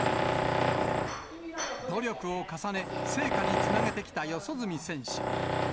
努力を重ね、成果につなげてきた四十住選手。